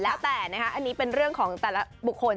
แล้วแต่นะคะอันนี้เป็นเรื่องของแต่ละบุคคล